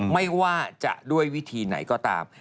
ไม่ว่าจะด้วยวิธีไหนก็ตาม